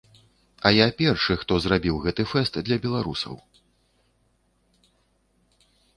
А я першы, хто зрабіў гэты фэст для беларусаў.